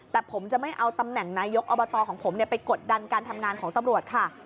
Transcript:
แต่ผมจะไม่เอาตำแหน่งนายกอบตของผมไปกดดันการทำงานของตำรวจค่ะ